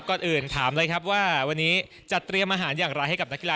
ก่อนอื่นถามเลยครับว่าวันนี้จะเตรียมอาหารอย่างไรให้กับนักกีฬา